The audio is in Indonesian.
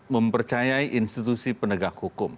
mempercayai institusi penegak hukum